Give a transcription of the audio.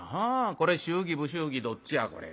これ祝儀不祝儀どっちやこれ。